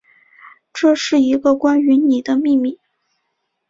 这是一个关于妳的秘密